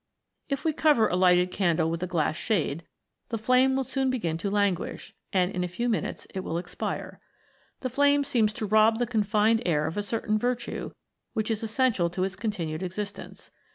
If we cover a lighted candle with a glass shade, the flame will soon begin to languish, and in a few minutes it will expire. The flame seems to rob the confined air of a certain virtue which is essential to its continued existence.